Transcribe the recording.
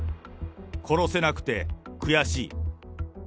殺せなくて悔しい。